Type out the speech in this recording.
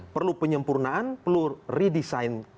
perlu penyempurnaan perlu redesign